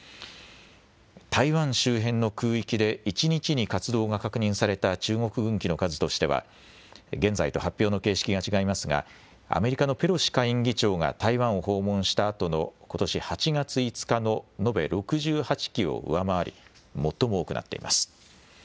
台湾周辺の空域で、１日に活動が確認された中国軍機の数としては、現在と発表の形式が違いますが、アメリカのペロシ下院議長が台湾を訪問したあとのことし８月５日の延べ６８機を上回り、最も多くなっています。